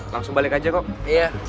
langsung balik aja kok